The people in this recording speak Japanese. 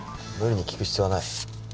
無理に聞く必要はない。